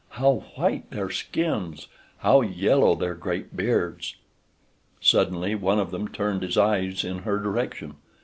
How white their skins! How yellow their great beards! Suddenly one of them turned his eyes in her direction.